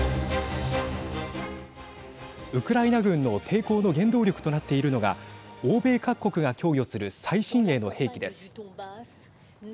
ウクライナ軍の抵抗の原動力となっているのが欧米各国が供与する最新鋭の兵器です。